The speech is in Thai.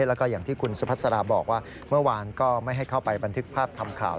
แล้วก็อย่างที่คุณสุพัสราบอกว่าเมื่อวานก็ไม่ให้เข้าไปบันทึกภาพทำข่าว